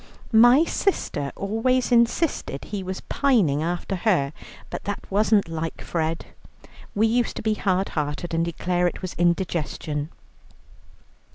My sister always insisted he was pining after her, but that wasn't like Fred. We used to be hard hearted, and declare it was indigestion."